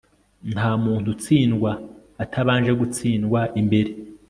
nta muntu utsindwa atabanje gutsindwa imbere